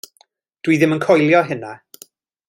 Dw i ddim yn coelio hynna.